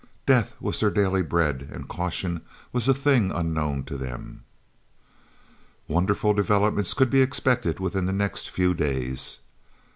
Death was their daily bread, and caution was a thing unknown to them. Wonderful developments could be expected within the next few days.